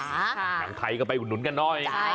หนังไทยก็ไปอุดหนุนกันหน่อย